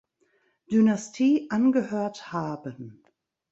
Dynastie angehört haben.